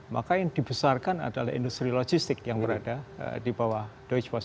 maka yang dibesarkan adalah industri logistik yang berada di bawah doge post